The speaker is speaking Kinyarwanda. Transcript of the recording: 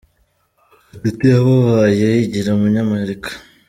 Gatete yababaye yigira umunyamerika